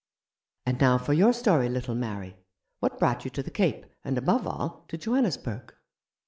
And now for your story, little Mary. What brought you to the Cape ; and, above all, to Johannesburg